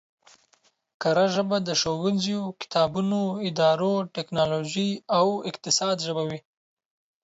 کره ژبه د ښوونځیو، کتابونو، ادارو، ټکنولوژۍ او اقتصاد ژبه وي